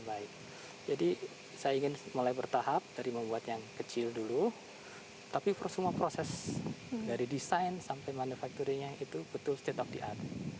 baik jadi saya ingin mulai bertahap dari membuat yang kecil dulu tapi semua proses dari desain sampai manufacturingnya itu betul state of the art